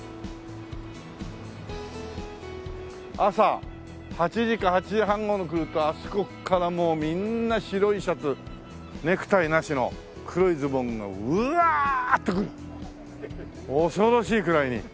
朝８時か８時半頃来るとあそこからもうみんな白いシャツネクタイなしの黒いズボンがうわっと来る恐ろしいくらいに。